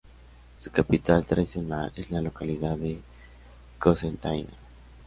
Su capital tradicional es la localidad de Cocentaina.